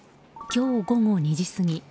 今日午後２時過ぎ。